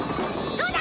どうだ！？